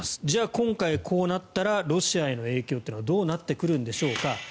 じゃあ今回こうなったらロシアへの影響はどうなってくるんでしょうか。